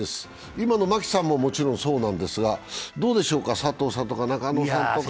今の牧さんももちろんそうなんですが、どうでしょうか、佐藤さんとか中野君とか。